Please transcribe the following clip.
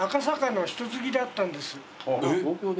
東京で。